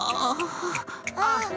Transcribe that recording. ああ。